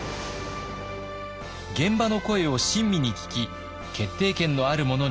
現場の声を親身に聞き決定権のある者に要望しました。